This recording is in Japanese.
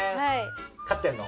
飼ってるの？